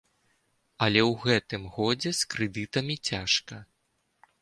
Але ў гэтым годзе з крэдытамі цяжка.